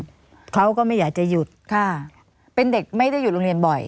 เขาก็ไม่อยากจะหยุดค่ะเป็นเด็กไม่ได้อยู่โรงเรียนบ่อย